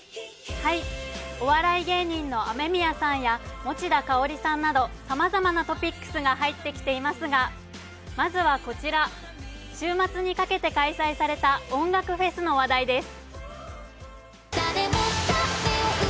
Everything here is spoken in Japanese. お笑い芸人のＡＭＥＭＩＹＡさんや、持田香織さんなどさまざまなトピックスが入ってきていますが、まずはこちら、週末にかけて開催された音楽フェスの話題です